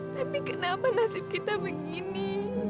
tapi kenapa nasib kita begini